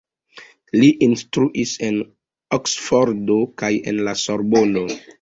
Li instruis en Oksfordo kaj en la Sorbono.